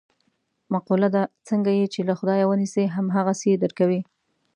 مقوله ده: څنګه یې چې له خدایه و نیسې هم هغسې یې در کوي.